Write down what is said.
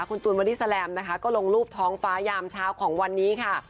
คุณตูนบอดี้แลมนะคะก็ลงรูปท้องฟ้ายามเช้าของวันนี้ค่ะ